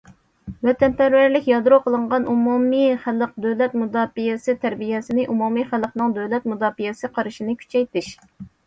ۋەتەنپەرۋەرلىك يادرو قىلىنغان ئومۇمىي خەلق دۆلەت مۇداپىئەسى تەربىيەسىنى، ئومۇمىي خەلقنىڭ دۆلەت مۇداپىئەسى قارىشىنى كۈچەيتىش.